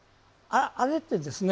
あれってですね